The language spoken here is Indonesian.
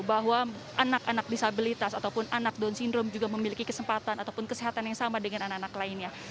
bahwa anak anak disabilitas ataupun anak down syndrome juga memiliki kesempatan ataupun kesehatan yang sama dengan anak anak lainnya